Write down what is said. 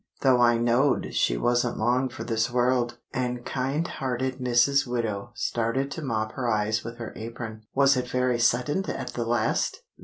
though I knowed she wasn't long for this world," and kind hearted Mrs. Widow started to mop her eyes with her apron. "Was it very suddint at the last?"